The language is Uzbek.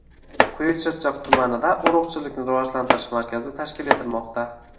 Quyi Chirchiq tumanida urug‘chilikni rivojlantirish markazi tashkil etilmoqda